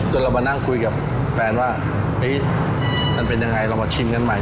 จนเรามานั่งคุยกับแฟนว่าเอ๊ะมันเป็นอะไรลองมาชิมกันใหม่